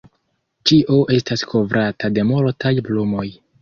Ĉio estas kovrata de multaj plumoj.